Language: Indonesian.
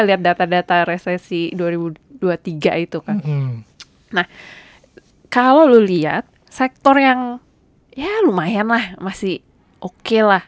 lihat data data resesi dua ribu dua puluh tiga itu kan nah kalau lihat sektor yang ya lumayan lah masih oke lah